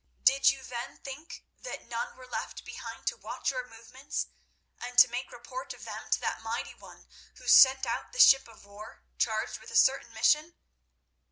Did you then think that none were left behind to watch your movements and to make report of them to that mighty one who sent out the ship of war, charged with a certain mission?